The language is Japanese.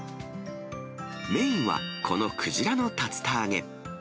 メインはこのくじらの竜田揚げ。